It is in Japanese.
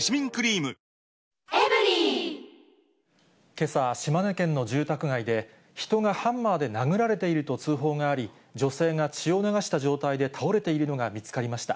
けさ、島根県の住宅街で、人がハンマーで殴られていると通報があり、女性が血を流した状態で倒れているのが見つかりました。